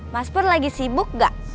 mas pur lagi sibuk gak